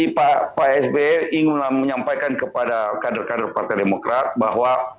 pak sby ingin menyampaikan kepada kader kader partai demokrat bahwa